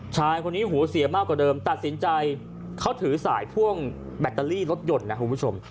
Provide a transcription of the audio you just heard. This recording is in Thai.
ชายคนนี้หัวเสียมากกว่าเดิมตัดสินใจเขาถือสายพ่วงแบตเตอรี่รถยนต์นะคุณผู้ชม